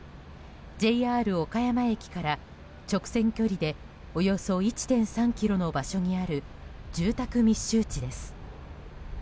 ＪＲ岡山駅から直線距離でおよそ１．３ｋｍの場所にある住宅密集地です。